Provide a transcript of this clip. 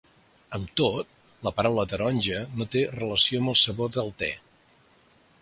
Amb tot, la paraula "taronja" no té relació amb el sabor del te.